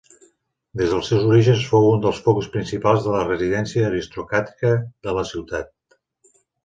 Des dels seus orígens fou un dels focus principals de residència aristocràtica de la ciutat.